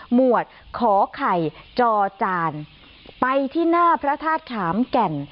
หวดขอไข่จอจานไปที่หน้าพระธาตุขามแก่น